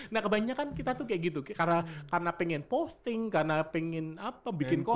nah kebanyakan kita tuh kayak gitu karena pengen posting karena pengen apa bikin konten